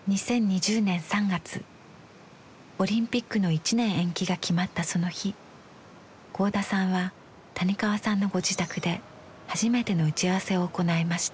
オリンピックの１年延期が決まったその日合田さんは谷川さんのご自宅で初めての打ち合わせを行いました。